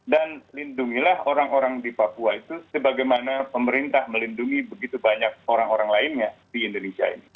dan lindungilah orang orang di papua itu sebagaimana pemerintah melindungi begitu banyak orang orang lainnya di indonesia ini